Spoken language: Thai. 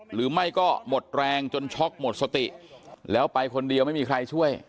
หรือไม่ก็หมดแรงจนช็อกหมดสติแล้วไปคนเดียวไม่มีใครช่วย